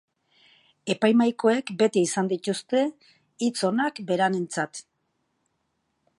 Epaimahaikoek beti izan dituzte hitz onak berarentzat.